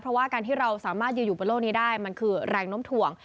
เพราะว่าการที่เราสามารถยืนอยู่บนโลกนี้ได้มันคือแรงน้มถ่วง